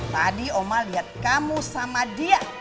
tadi oma lihat kamu sama dia